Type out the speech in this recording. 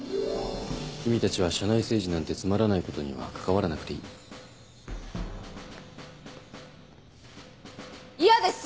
君たちは社内政治なんてつまらないことには関わらなくていい嫌です